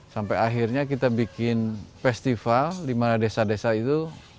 sampai akhirnya kita bikin festival di mana desa desa itu